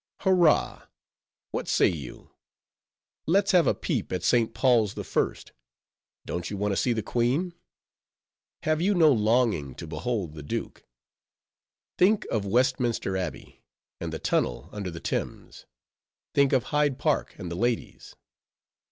— Hurra! what say you? let's have a peep at St. Paul's? Don't you want to see the queen? Have you no longing to behold the duke? Think of Westminster Abbey, and the Tunnel under the Thames! Think of Hyde Park, and the ladies!